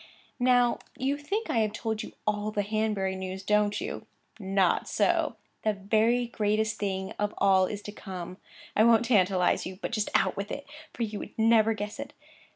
'Now you think I have told you all the Hanbury news, don't you? Not so. The very greatest thing of all is to come. I won't tantalize you, but just out with it, for you would never guess it.